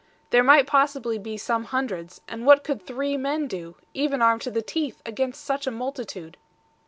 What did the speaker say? There might possibly be some hundreds, and what could three men do, even armed to the teeth, against such a multitude?